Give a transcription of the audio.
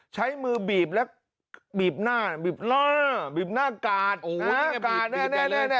ใช้มือบีบแล้วบีบหน้าบีบหน้าบีบหน้ากาดน่ะน่ะน่ะน่ะน่ะ